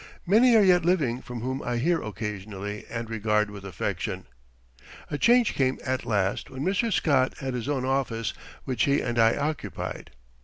Many are yet living from whom I hear occasionally and regard with affection. A change came at last when Mr. Scott had his own office which he and I occupied.